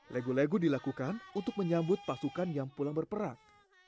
lego lego dilakukan untuk menyambut pasukan yang pulang berperang